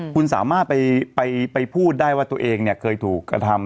คุณสามารถไปพูดได้ว่าตัวเองเคยถูกกระทำ